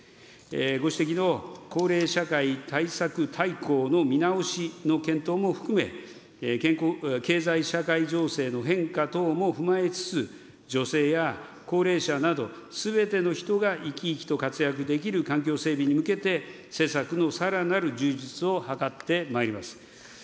ご指摘の幸齢社会対策大綱の見直しの検討も含め、経済社会情勢の変化等も踏まえつつ、女性や高齢者など、すべての人が生き生きと活躍できる環境整備に向けて、施策のさらなる充実を図ってまいります。